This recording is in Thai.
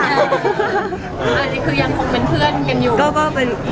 อันนี้คือยังคงเป็นเพื่อนกันอยู่ก็เป็น